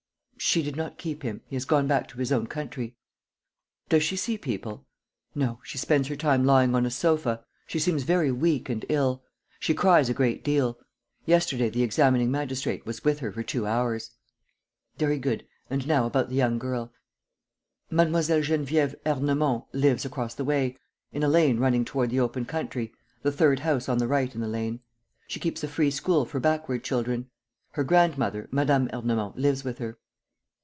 "She did not keep him. He has gone back to his own country." "Does she see people?" "No. She spends her time lying on a sofa. She seems very weak and ill. She cries a great deal. Yesterday the examining magistrate was with her for two hours." "Very good. And now about the young girl." "Mlle. Geneviève Ernemont lives across the way ... in a lane running toward the open country, the third house on the right in the lane. She keeps a free school for backward children. Her grandmother, Mme. Ernemont, lives with her."